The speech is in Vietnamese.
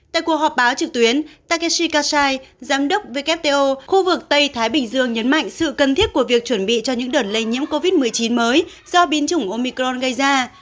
tại cuộc họp báo trực tuyến takeshi kasai giám đốc wto khu vực tây thái bình dương nhấn mạnh sự cần thiết của việc chuẩn bị cho những đợt lây nhiễm covid một mươi chín mới do biến chủng omicron gây ra